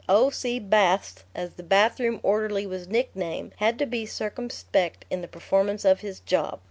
"O.C. Baths," as the bathroom orderly was nicknamed, had to be circumspect in the performance of his job.